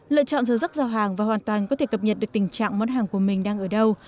lựa chọn giờ rắc giao hàng và hoàn toàn có thể cập nhật được tình trạng món hàng của mình đang ở đâu